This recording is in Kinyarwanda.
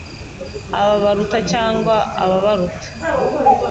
abo baruta cyangwa ababaruta